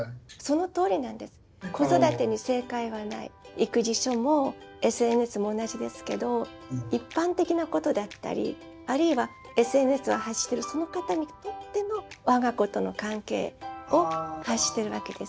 育児書もＳＮＳも同じですけど一般的なことだったりあるいはＳＮＳを発してるその方にとっての我が子との関係を発してるわけです。